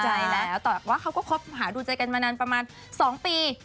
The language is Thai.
ใช่แล้วแต่ว่าเขาก็คบหาดูใจกันมานานประมาณ๒ปี